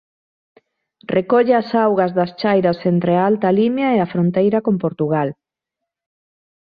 Recolle as augas das chairas entre a Alta Limia e a fronteira con Portugal.